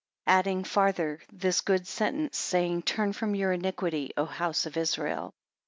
Adding farther this good sentence, saying Turn from your iniquity, O house of Israel.